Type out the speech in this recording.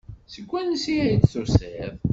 Seg wansi ay d-tusiḍ?